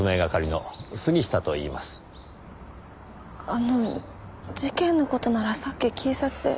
あの事件の事ならさっき警察で。